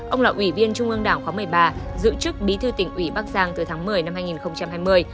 ông là ủy viên trung ương đảng khóa một mươi ba giữ chức bí thư tỉnh ủy bắc giang từ tháng một mươi năm hai nghìn hai mươi